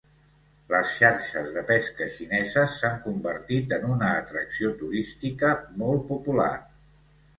Les xarxes de pesca xineses s'han convertit en una atracció turística molt popular.